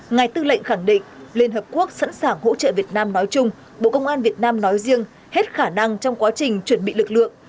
ngài tư lệnh khẳng định liên hợp quốc sẵn sàng hỗ trợ việt nam nói chung bộ công an việt nam nói riêng hết khả năng trong quá trình chuẩn bị lực lượng